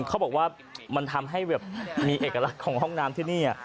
เขาบอกว่ามันทำให้แบบมีเอกลักษณ์ของห้องน้ำที่นี่